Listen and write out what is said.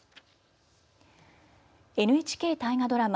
ＮＨＫ大河ドラマ